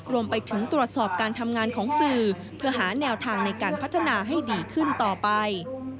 รวมไปถึงตรวจสอบการทำงานของสื่อเพื่อหาแนวทางในการพัฒนาให้ดีขึ้นต่อไป